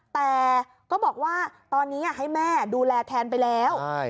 แต่ก็บอกว่าตอนนี้ให้แม่ดูแลแทนไปแล้ว